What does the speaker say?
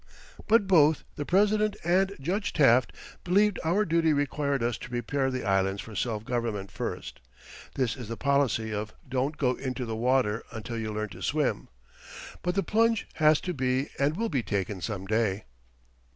But both the President and Judge Taft believed our duty required us to prepare the Islands for self government first. This is the policy of "Don't go into the water until you learn to swim." But the plunge has to be and will be taken some day.